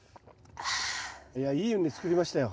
いやいい畝作りましたよ